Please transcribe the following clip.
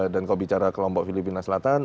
dan kalau bicara kelompok filipina selatan